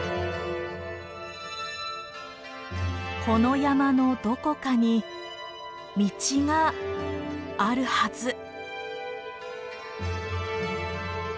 この山のどこかに道があるはず。